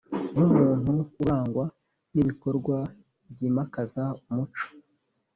nk umuntu urangwa n ibikorwa byimakaza umuco